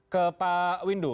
ke pak windu